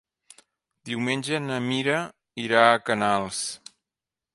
Diumenge na Mira irà a Canals.